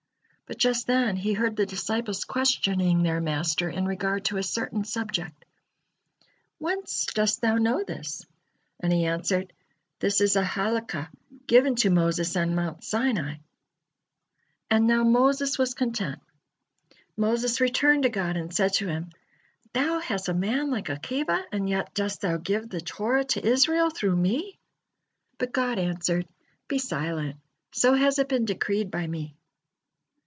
But just then he heard the disciples questioning their master in regard to a certain subject: "Whence dost thou know this?" And he answered, "This is a Halakah given to Moses on Mount Sinai," and not Moses was content. Moses returned to God and said to Him: "Thou has a man like Akiba, and yet dost Thou give the Torah to Israel through me!" But God answered: "Be silent, so has it been decreed by Me."